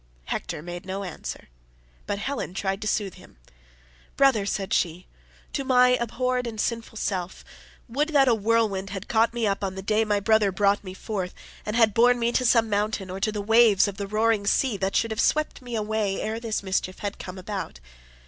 Hector made no answer, but Helen tried to soothe him. "Brother," said she, "to my abhorred and sinful self, would that a whirlwind had caught me up on the day my mother brought me forth, and had borne me to some mountain or to the waves of the roaring sea that should have swept me away ere this mischief had come about.